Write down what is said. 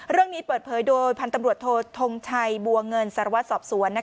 เรื่องนี้เปิดเผยโดยพันธ์ตำรวจโทษทงชัยบัวเงินสารวัตรสอบสวน